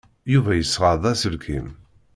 Yuba yesɣa-d aselkim.